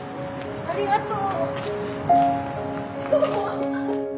ありがとう。